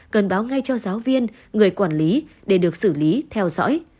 cần báo ngay cho giáo viên người quản lý để được xử lý theo dõi